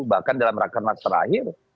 bahkan dalam rakam terakhir